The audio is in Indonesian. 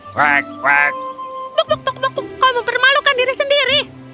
buk buk buk buk buk kau mempermalukan diri sendiri